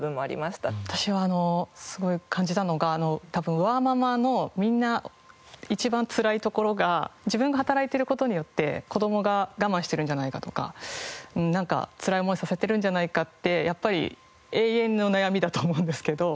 私はすごい感じたのが多分ワーママのみんな一番つらいところが自分が働いている事によって子どもが我慢してるんじゃないかとかなんかつらい思いさせてるんじゃないかってやっぱり永遠の悩みだと思うんですけど。